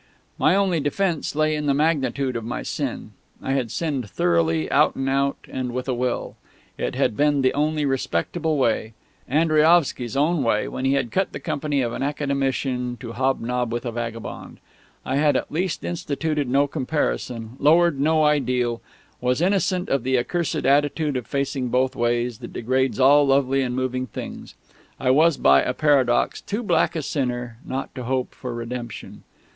My only defence lay in the magnitude of my sin. I had sinned thoroughly, out and out, and with a will. It had been the only respectable way Andriaovsky's own way when he had cut the company of an Academician to hobnob with a vagabond. I had at least instituted no comparison, lowered no ideal, was innocent of the accursed attitude of facing both ways that degrades all lovely and moving things. I was, by a paradox, too black a sinner not to hope for redemption....